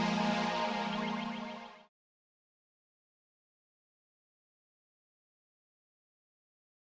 siapakah dia sebenarnya